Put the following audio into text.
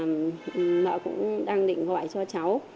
mẹ cũng đang định gọi cho cháu